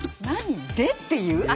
「何で」っていう？